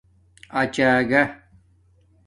اچݳگہ